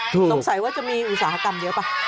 สงสัยว่าจะมีอุตสาหกรรมเยอะป่ะ